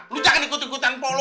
lu jangan ikut ikutan polo